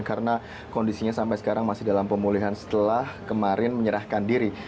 karena kondisinya sampai sekarang masih dalam pemulihan setelah kemarin menyerahkan diri